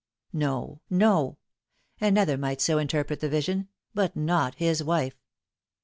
No, no I Another might so interpret the vision, but not his wife.